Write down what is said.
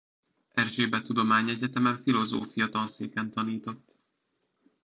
Erzsébet Tudományegyetemen filozófia tanszéken tanított.